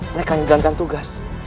mereka hanya jalankan tugas